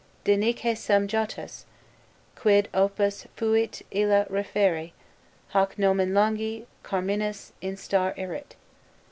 Denique sum Jottus, quid opus fuit illa referre? Hoc nomen longi carminis instar erit.